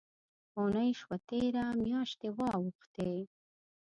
اوونۍ شوه تېره، میاشتي واوښتې